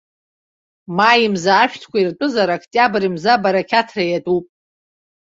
Маи мза ашәҭқәа иртәызар, октиабр мза абарақьаҭра иатәуп!